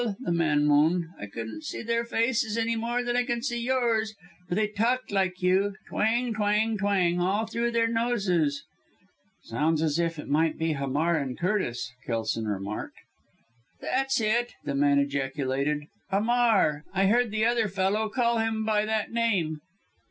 the man moaned. "I couldn't see their faces any more than I can see yours but they talked like you. Twang twang twang all through their noses." "Sounds as if it might be Hamar and Curtis," Kelson remarked. "That's it!" the man ejaculated. "'Amar. I heard the other fellow call him by that name."